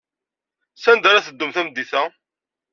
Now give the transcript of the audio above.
Sanda ara teddum tameddit-a?